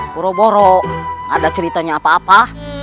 boro boro ada ceritanya apa apa